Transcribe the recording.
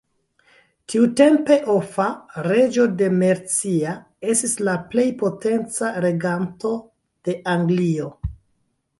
Tiutempe Offa, reĝo de Mercia, estis la plej potenca reganto de Anglio.